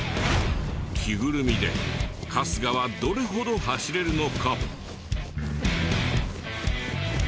着ぐるみで春日はどれほど走れるのか？